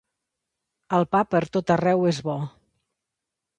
El pa pertot arreu és bo.